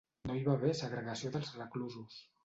No hi va haver segregació dels reclusos.